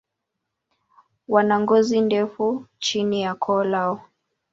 Wana ngozi ndefu chini ya koo lao.